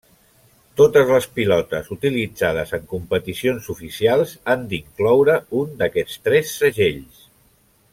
Totes les pilotes utilitzades en competicions oficials han d'incloure un d'aquests tres segells.